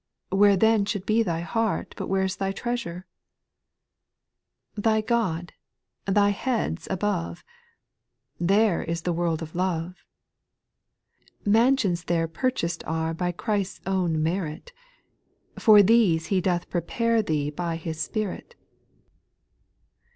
Where then should be thy heart, But where 's thy treasure ? 3. Thy God, thy Head *s above ; There is the world of love ; Mansions there purchased are By Christ's own merit, For these He doth prepare Thee by His Spirit.